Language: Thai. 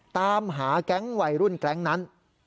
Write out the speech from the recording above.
ตามหาแก๊งวัยรุ่นแก๊งนั้น